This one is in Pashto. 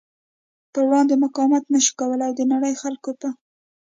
پر وړاندې مقاومت نشو کولی او د نړۍ خلکو په